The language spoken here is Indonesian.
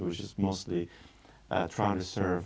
kel seconds untuk bahwa